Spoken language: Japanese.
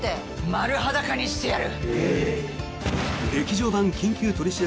丸裸にしてやる。